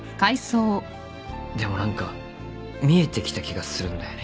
でも何か見えてきた気がするんだよね